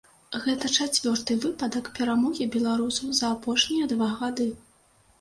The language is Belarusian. Гэта чацвёрты выпадак перамогі беларусаў за апошнія два гады.